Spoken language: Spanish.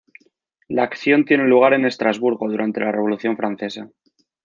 La acción tiene lugar en Estrasburgo durante la Revolución Francesa.